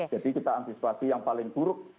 jadi kita antisipasi yang paling buruk